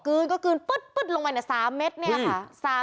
กลืนก็กลืนปุ๊ดลงไปเนี่ย๓เม็ดเนี่ยค่ะ